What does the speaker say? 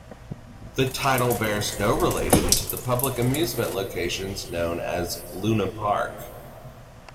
The title bears no relation to the public amusement locations known as Luna Park.